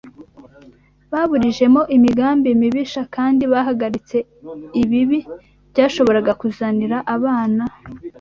Baburijemo imigambi mibisha kandi bahagaritse ibibi byashoboraga kuzanira abana